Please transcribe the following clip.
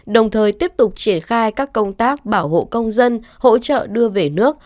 đồng thời tiếp tục triển khai các công tác bảo hộ công dân hỗ trợ đưa về nước